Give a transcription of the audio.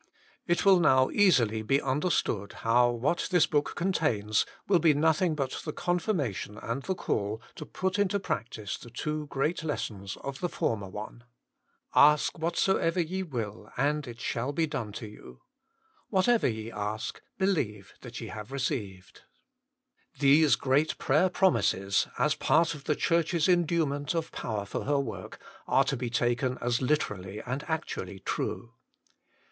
It will now easily be understood how what this book contains will be nothing but the confirmation and the call to put into practice the two great lessons of the former one. "Ask whatsoever ye will, and it shall be done to you ";" Whatever ye ask, believe that ye have received ": these great prayer promises, as part of the Church s enduement of power for her work, are to be taken as literally and actually true.